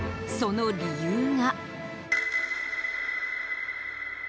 その理由が。